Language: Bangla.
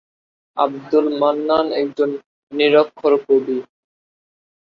আব্দুল মান্নান একজন নিরক্ষর কবি।